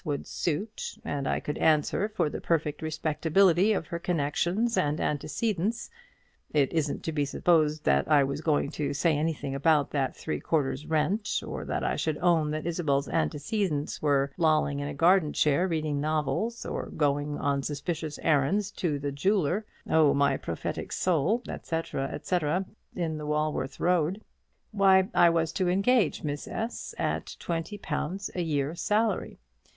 would suit, and I could answer for the perfect respectability of her connections and antecedents, it isn't to be supposed that I was going to say anything about that three quarters' rent, or that I should own that Isabel's antecedents were lolling in a garden chair reading novels, or going on suspicious errands to the jeweller ('O my prophetic soul!' et cetera) in the Walworth Road, why, I was to engage Miss S. at twenty pounds a year salary.